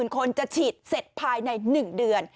๒๒๐๐๐๐๐คนจะฉีดเสร็จภายใน๑เดือน